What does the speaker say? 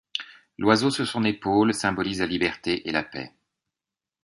L'oiseau sur son épaule symbolise la liberté et la paix.